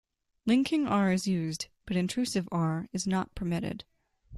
Linking R is used, but intrusive R is not permitted.